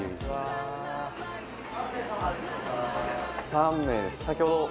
３名です。